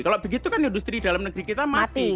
kalau begitu kan industri dalam negeri kita mati